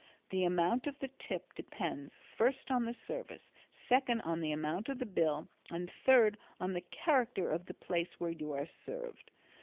The amount of the tip depends, first on the service, second on the amount of the bill, and third, on the character of the place where you are served.